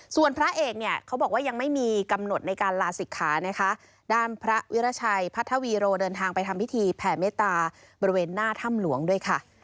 ส่วนพระเอกเนี่ยเขาบอกว่ายังไม่มีกำหนดในการลาศิกขานะคะด้านพระวิราชัยพัทวีโรเดินทางไปทำพิธีแผ่เมตตาบริเวณหน้าถ้ำหลวงด้วยค่ะ